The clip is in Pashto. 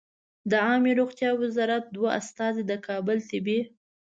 د عامې روغتیا وزارت دوه استازي د کابل طبي